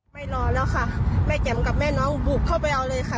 นอนแล้วค่ะแม่แจ๋มกับแม่น้องบุกเข้าไปเอาเลยค่ะ